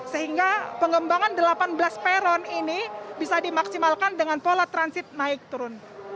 sehingga pengembangan delapan belas peron ini bisa dimaksimalkan dengan pola transit naik turun